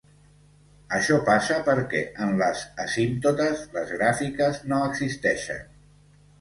Això passa perquè en les asímptotes les gràfiques no existeixen.